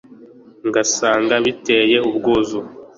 ngasanga biteye ubwuzu